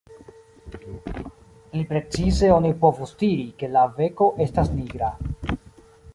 Pli precize oni povus diri, ke la beko estas nigra.